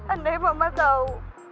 andai mama tahu